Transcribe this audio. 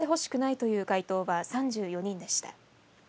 刻銘してほしくないという回答は３４人でした。